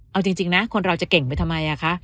เอาจริงนะคนเราจะเก่งไปทำไมคะ